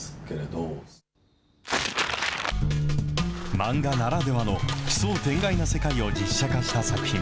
漫画ならではの奇想天外な世界を実写化した作品。